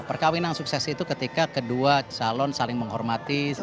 perkawinan sukses itu ketika kedua calon saling menghormati